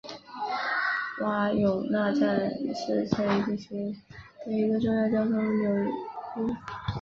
瓦永纳站是这一地区的一个重要交通枢纽。